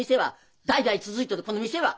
代々続いとるこの店は。